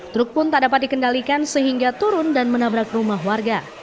truk pun tak dapat dikendalikan sehingga turun dan menabrak rumah warga